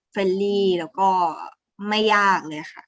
เรลลี่แล้วก็ไม่ยากเลยค่ะ